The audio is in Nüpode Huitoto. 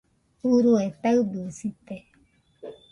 Urue taɨbɨsite